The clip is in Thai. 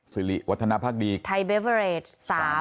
สิริวัฒนภาคดีไทยเบเวอร์เรจ๓๙ล้าน